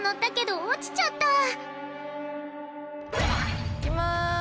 いきます。